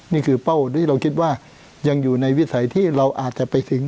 เป้าที่เราคิดว่ายังอยู่ในวิสัยที่เราอาจจะไปถึง